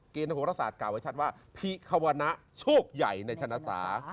เกนภกรสรรค์กล่าวอย่างเช่นไว้พิควรณะโชคใหญ่ในชนะศา